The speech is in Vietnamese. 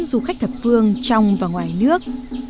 dù khách thập phương trong và ngoài nước